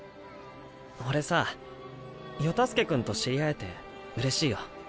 俺さ世田介君と知り合えてうれしいよ。